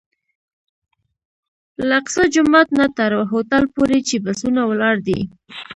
له اقصی جومات نه تر هوټل پورې چې بسونه ولاړ دي.